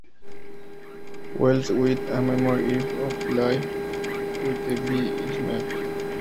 Wells…with a Memoir of his life, written by himself.